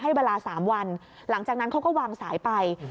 เวลา๓วันหลังจากนั้นเขาก็วางสายไป